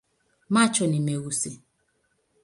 Macho ni meusi.